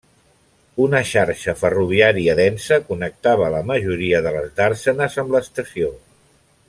Una xarxa ferroviària densa connectava la majoria de les dàrsenes amb l'estació.